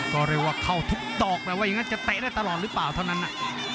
ก็เรียกว่าเข้าทุกตอกแล้วว่าจะเตะได้ตลอดหรือเปล่าเท่านั้นน่ะ